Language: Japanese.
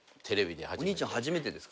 テレビで初めて。